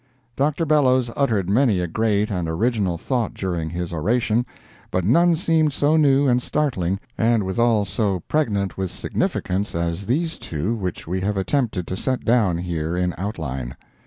Dr. Bellows uttered many a great and original thought during his oration, but none seemed so new and startling, and withal so pregnant with significance as these two which we have attempted to set down here in outline.